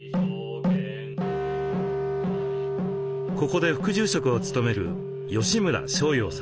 ここで副住職を務める吉村昇洋さんです。